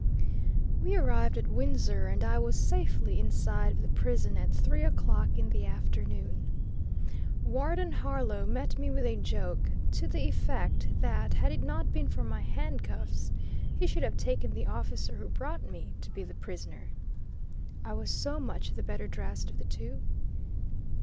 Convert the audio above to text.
We arrived at Windsor and I was safely inside of the prison at three o'clock in the afternoon. Warden Harlow met me with a joke, to the effect that, had it not been for my handcuffs he should have taken the officer who brought me, to be the prisoner, I was so much the better dressed of the two.